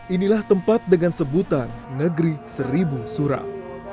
inilah tempat dengan sebutan negeri seribu suram